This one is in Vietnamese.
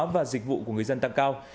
và dịch vụ của người dân tăng cao